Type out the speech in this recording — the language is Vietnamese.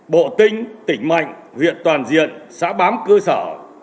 bộ tinh tỉnh mạnh huyện toàn diện xã bám cơ sở